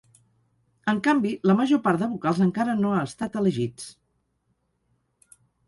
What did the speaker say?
En canvi, la major part de vocals encara no ha estat elegits.